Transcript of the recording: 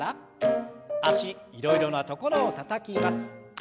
脚いろいろなところをたたきます。